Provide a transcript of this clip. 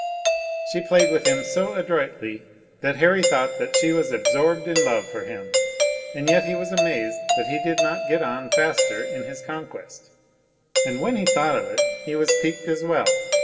She played with him so adroitly that Harry thought she was absorbed in love for him, and yet he was amazed that he did not get on faster in his conquest. And when he thought of it, he was piqued as well.